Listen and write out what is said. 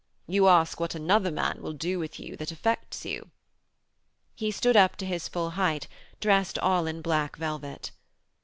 You ask what another man will do with you that affects you.' He stood up to his full height, dressed all in black velvet.